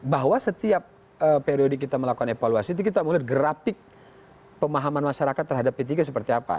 bahwa setiap periode kita melakukan evaluasi itu kita melihat grafik pemahaman masyarakat terhadap p tiga seperti apa